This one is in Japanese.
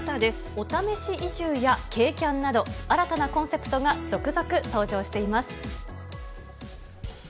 お試し移住や軽キャンなど、新たなコンセプトが続々登場しています。